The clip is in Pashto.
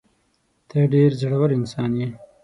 ته ډېر زړه ور انسان یې.